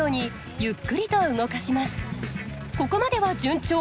ここまでは順調。